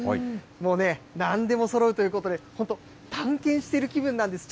もうね、なんでもそろうということで、本当、探検している気分なんです。